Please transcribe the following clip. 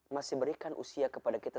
masih berikan usia kepada kita